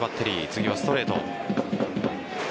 次はストレート。